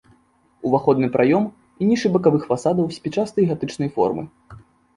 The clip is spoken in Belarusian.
Уваходны праём і нішы бакавых фасадаў спічастай гатычнай формы.